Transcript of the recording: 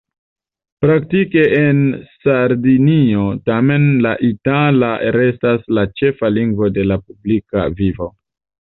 Praktike en Sardinio tamen la itala restas la ĉefa lingvo de la publika vivo.